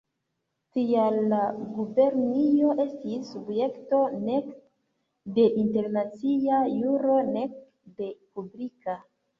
Tial la gubernio estis subjekto nek de internacia juro nek de publika.